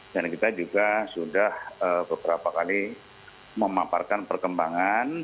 dan kita juga sudah beberapa kali memaparkan perkembangan